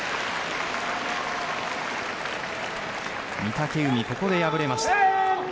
御嶽海、ここで敗れました。